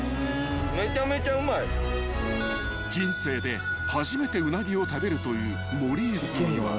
［人生で初めてウナギを食べるという森泉は］